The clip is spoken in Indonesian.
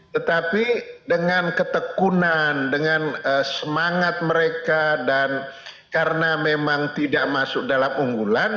tetapi dengan ketekunan dengan semangat mereka dan karena memang tidak masuk dalam unggulan